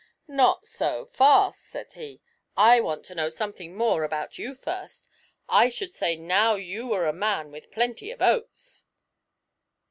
'Not so fast,' said he: 'I want to know something more about you first. I should say now you were a man with plenty of oats.'